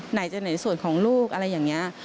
ไหนจะไหนส่วนของลูกอะไรอย่างนี้